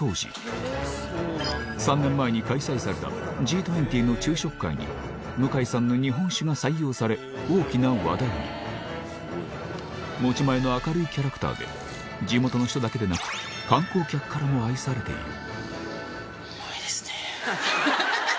３年前に開催されたＧ２０の昼食会に向井さんの日本酒が採用され大きな話題に持ち前の明るいキャラクターで地元の人だけでなくはい。